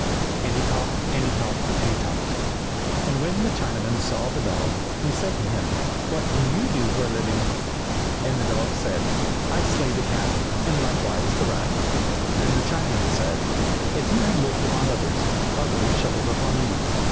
And he talked, And he talked, And he talked. And when the Chinaman saw the dog, he said to him, "what do you do for a living?" And the dog said, "I slay the cat, and likewise the rat." Then the Chinaman said, "as you have lived upon others, others shall live upon you!"